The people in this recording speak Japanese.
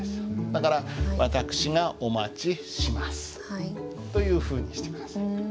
だから「私がお待ちします」というふうにして下さい。